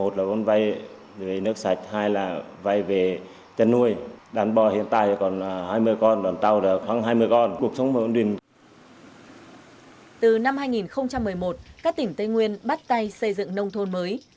từ năm hai nghìn một mươi một các tỉnh tây nguyên bắt tay xây dựng nông thôn mới